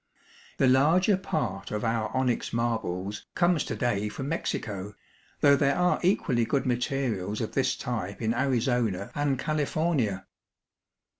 The larger part of our onyx marbles comes to day from Mexico, though there are equally good materials of this type in Arizona and California.